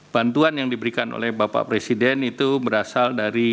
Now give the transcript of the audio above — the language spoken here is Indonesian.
bantuan yang diberikan oleh bapak presiden itu berasal dari